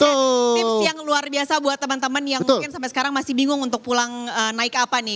tips yang luar biasa buat teman teman yang mungkin sampai sekarang masih bingung untuk pulang naik apa nih